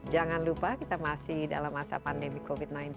jangan lupa kita masih dalam masa pandemi covid sembilan belas